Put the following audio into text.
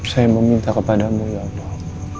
saya meminta kepadamu ya allah